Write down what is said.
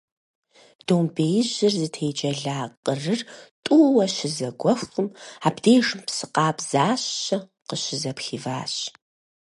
Домбеижьыр зытеджэла къырыр тӀууэ щызэгуэхум, абдежым псы къабзащэ къыщызыпхиващ.